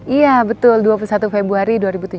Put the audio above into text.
iya betul dua puluh satu februari dua ribu tujuh belas